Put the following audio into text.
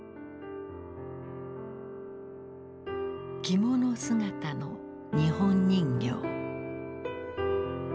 着物姿の日本人形。